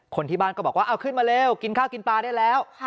คนที่บ้านก็บอกว่าเอาขึ้นมาเร็วกินข้าวกินปลาได้แล้ว